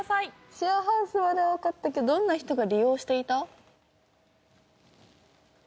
シェアハウスまではわかったけどどんな人が利用していた？